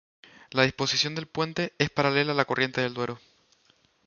La disposición del puente es paralela a la corriente del Duero.